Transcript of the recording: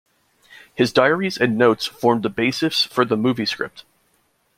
His diaries and notes formed the basis for the movie script.